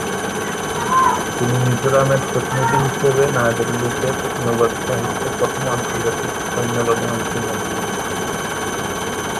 তিনি মিজোরামের প্রতিনিধি হিসাবে নয়াদিল্লিতে অনুবাদে সাহিত্যের প্রথম আন্তর্জাতিক সম্মেলনে অংশ নিয়েছেন।